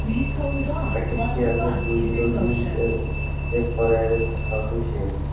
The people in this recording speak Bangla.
প্যাকেজটি আছে, দুই হল রুম এর পরের থাকা অফিসে।